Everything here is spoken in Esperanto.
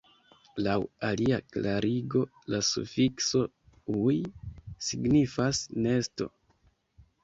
Laŭ alia klarigo la sufikso -uj- signifas "nesto".